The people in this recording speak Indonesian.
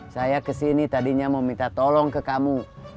saya kesini tadinya mau minta tolong ke kamu